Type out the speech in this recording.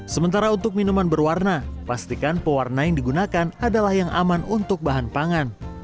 sementara untuk minuman berwarna pastikan pewarna yang digunakan adalah yang aman untuk bahan pangan